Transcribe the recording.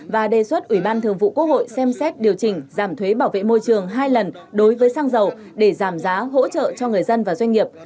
và đề xuất ủy ban thường vụ quốc hội xem xét điều chỉnh giảm thuế bảo vệ môi trường hai lần đối với xăng dầu để giảm giá hỗ trợ cho người dân và doanh nghiệp